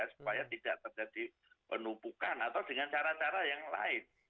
supaya tidak terjadi penumpukan atau dengan cara cara yang lain